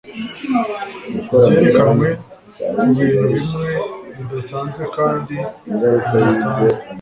Byerekanwe kubintu bimwe bidasanzwe kandi bidasanzwe